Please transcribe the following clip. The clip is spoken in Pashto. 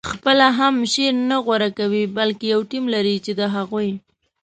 خپله هم شعر نه غوره کوي بلکې یو ټیم لري چې د هغوی